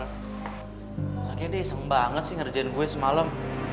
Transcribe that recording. kayaknya dia iseng banget sih ngerjain gue semalam